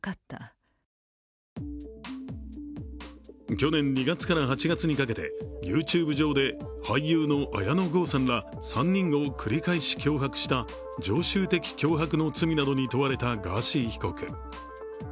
去年２月から８月にかけてＹｏｕＴｕｂｅ上で俳優の綾野剛さんら３人を繰り返し脅迫した常習的脅迫の罪などに問われたガーシー被告。